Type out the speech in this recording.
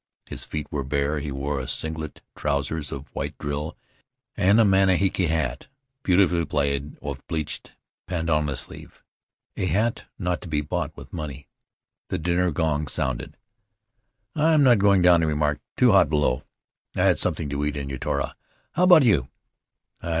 His feet were bare; he wore a singlet, trousers of white drill, and a Manihiki hat — beautifully plaited of bleached pandanus leaf —■ a hat not to be bought with money. The dinner gong sounded. "I'm not going down," he remarked; "too hot be low. I had something to eat at Uturoa. How about you?"